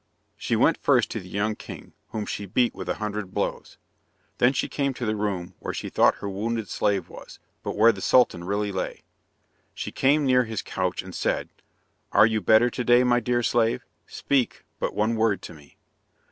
She went first to the young king, whom she beat with a hundred blows. Then she came to the room where she thought her wounded slave was, but where the Sultan really lay. She came near his couch and said, "Are you better to day, my dear slave? Speak but one word to me."